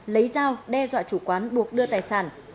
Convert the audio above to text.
lấy dao đe dọa chủ quán buộc đưa tài sản